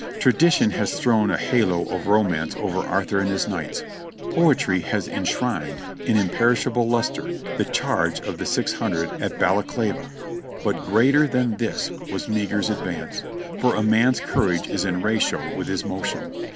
Tradition has thrown a halo of romance over Arthur and his Knights, poetry has enshrined in imperishable lustre the charge of the six hundred at Balaklava, but greater than this last was Meagher's advance ; for a man's courage is in ratio with his motion.